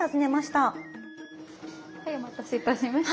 はいお待たせいたしました。